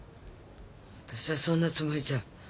私はそんなつもりじゃ。